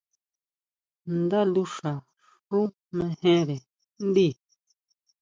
Ndá luxa xú mejere ndíi.